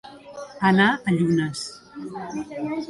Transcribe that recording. Anar a llunes.